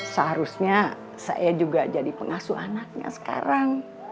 seharusnya saya juga jadi pengasuh anaknya sekarang